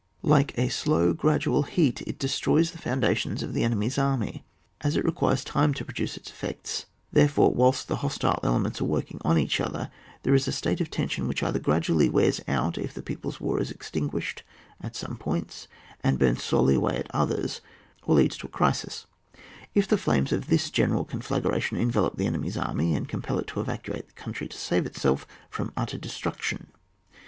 Like a slow gradual heat, it destroys the foundations of the enemy's army. As it requires time to pro duce its effects, therefore whilst the hostile elements are working on each other, there is a state of tension which either gradually wears out if the people's war is extin guished at some points, and burns slowly away at others, or leads to a crisis, if the flames of this general conflagration envelop the enemy's army, and compel it to evacuate the country to save itself from utter destruction.